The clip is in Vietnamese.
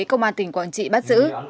công an tp quảng trị bắt giữ